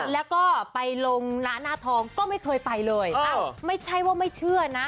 แล้วก็ไปลงหน้าหน้าทองก็ไม่เคยไปเลยอ้าวไม่ใช่ว่าไม่เชื่อนะ